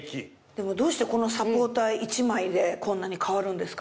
でもどうしてこのサポーター１枚でこんなに変わるんですか？